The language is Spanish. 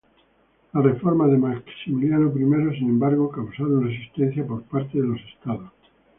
Las reformas de Maximiliano I, sin embargo, causaron resistencia por parte de los estados.